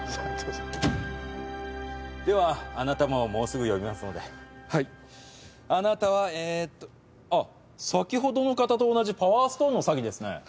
ではあなたももうすぐ呼びますのではいあなたはえーとあっ先ほどの方と同じパワーストーンの詐欺ですね